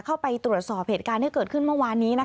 เข้าไปตรวจสอบเหตุการณ์ที่เกิดขึ้นเมื่อวานนี้